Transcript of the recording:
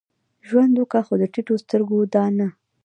ژوند وکه؛ خو د ټيټو سترګو دا نه.